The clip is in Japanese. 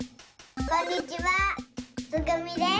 こんにちはつぐみです。